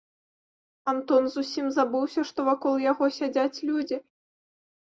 Антон зусім забыўся, што вакол яго сядзяць людзі.